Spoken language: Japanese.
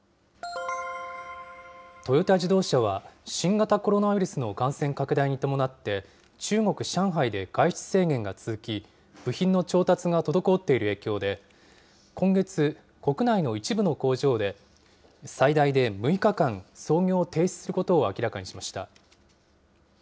トヨタ自動車は新型コロナウイルスの感染拡大に伴って、中国・上海で外出制限が続き、部品の調達が滞っている影響で、今月、国内の一部の工場で、最大で６日間、操業を停止することを明らかにしました。